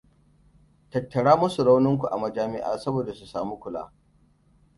Tattara masu raunin ku a majami'a saboda su samu kula.